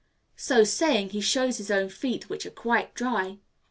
So saying, he shows his own feet, which are quite dry.